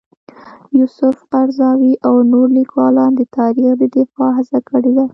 یوسف قرضاوي او نور لیکوالان د تاریخ د دفاع هڅه کړې ده.